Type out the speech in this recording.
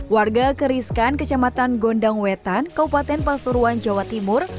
warga keriskan kecamatan gondang wetan kaupaten palsuruan jawa timur